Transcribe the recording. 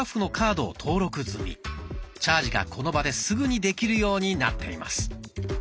チャージがこの場ですぐにできるようになっています。